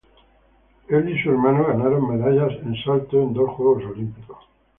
Su hermano Con ganaron medallas en salto en dos Juegos Olímpicos.